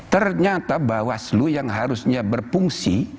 ternyata bawaslu yang harusnya berfungsi